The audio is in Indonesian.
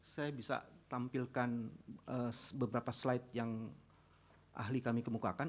saya bisa tampilkan beberapa slide yang ahli kami kemukakan